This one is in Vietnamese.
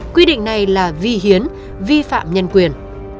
quy định này là vi hiến vi phạm nhân quyền